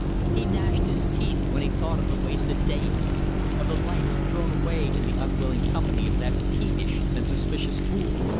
He gnashed his teeth when he thought of the wasted days, of the life thrown away in the unwilling company of that peevish and suspicious fool.